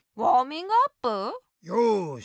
よし！